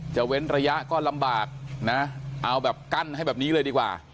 เว้นระยะก็ลำบากนะเอาแบบกั้นให้แบบนี้เลยดีกว่า